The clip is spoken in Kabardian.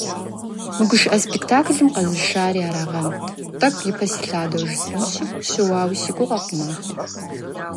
Мы гушыӏэ спектаклым къэзышари арагъэнт, тӏэкӏу ипэ силъадэу жысӏэнщи, щыуауи си гугъэкъым ахэр.